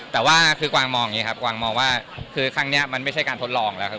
แต่ว่าคือกวางมองอย่างนี้ครับกวางมองว่าคือครั้งนี้มันไม่ใช่การทดลองแล้วครับ